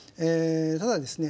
ただですね